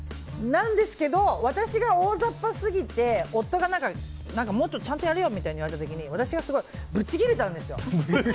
なんですけど私がおおざっぱすぎて夫にもっとちゃんとやれよみたいに言われた時に私がすごいブチギレたんですよ。